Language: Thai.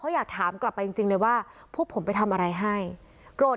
หมาเขาครั้งหนึ่งเจอก็พูดมานะครับ